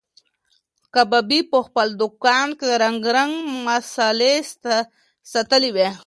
کبابي په خپل دوکان کې رنګارنګ مسالې ساتلې وې.